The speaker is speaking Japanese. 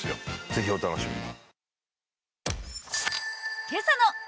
ぜひお楽しみに。